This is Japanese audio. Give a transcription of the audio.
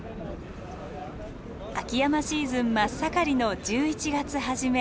秋山シーズン真っ盛りの１１月初め。